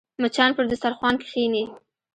مچان پر دسترخوان کښېني